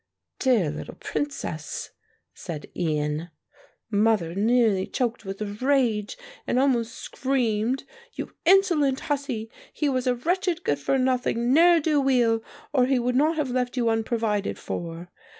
'" "Dear little princess," said Ian. "Mother nearly choked with rage and almost screamed; 'You insolent hussie, he was a wretched good for nothing ne'er do weel, or he would not have left you unprovided for.